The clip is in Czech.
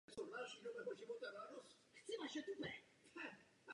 Každý rok v listopadu se zde konají vzpomínkové slavnosti.